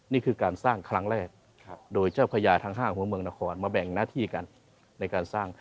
นี่คือการสร้างครั้งแรกโดยเจ้าพญาทั้ง๕หัวเมืองนครมาแบ่งหน้าที่กันในการสร้าง